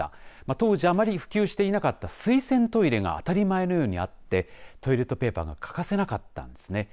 当時あまり普及していなかった水洗トイレが当たり前のようにあってトイレットペーパーが欠かせなかったんですね。